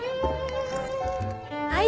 はい。